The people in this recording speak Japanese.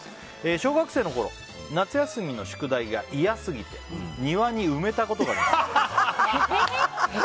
小学生のころ、夏休みの宿題が嫌すぎて庭に埋めたことがあります。